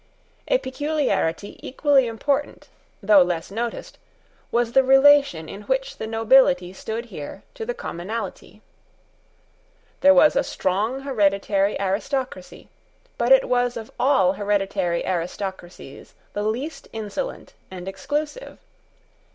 A: peculiarity equally important, though less noticed, was the relation in which the nobility stood here to the commonalty. There was a strong hereditary aristocracy: but it was of all hereditary aristocracies the least insolent and exclusive.